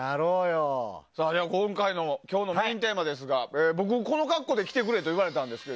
今回のメインテーマですが僕、この格好で来てくれと言われたんですよ。